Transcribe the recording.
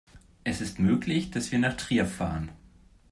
Es ist möglich, dass wir nach Trier fahren